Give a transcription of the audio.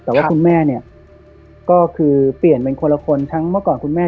แต่ว่าคุณแม่เนี่ยก็คือเปลี่ยนเป็นคนละคนทั้งเมื่อก่อนคุณแม่